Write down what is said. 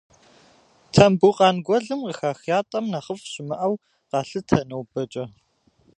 Тамбукъан гуэлым къыхах ятӏэм нэхъыфӏ щымыӏэу къалъытэ нобэкӏэ.